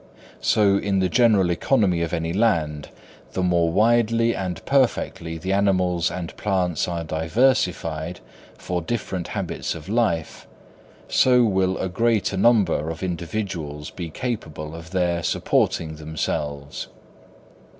So in the general economy of any land, the more widely and perfectly the animals and plants are diversified for different habits of life, so will a greater number of individuals be capable of there supporting themselves.